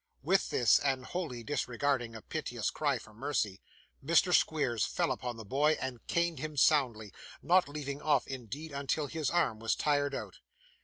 With this, and wholly disregarding a piteous cry for mercy, Mr. Squeers fell upon the boy and caned him soundly: not leaving off, indeed, until his arm was tired out.